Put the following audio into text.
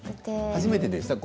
初めてでしたか？